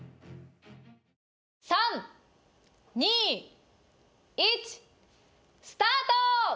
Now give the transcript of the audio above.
３２１スタート！